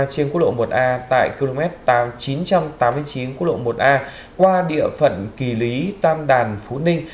trên quốc lộ một a tại km chín trăm tám mươi chín quốc lộ một a qua địa phận kỳ lý tam đàn phú ninh